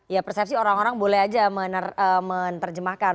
ya persepsi orang orang boleh aja menerjemahkan